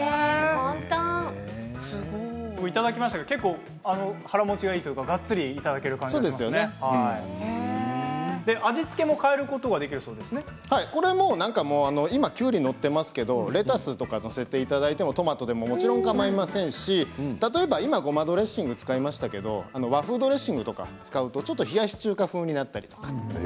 いただきましたけれども腹もちがいいというかがっつりというか味付けも今きゅうりが載っていますけどレタスとかを載せていただいてもトマトでももちろん構いませんし今ごまドレッシングを使いましたけど和風ドレッシングとかを使うとちょっと冷やし中華風になったりとか。